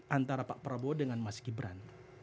antara pak prabowo dengan mas gibran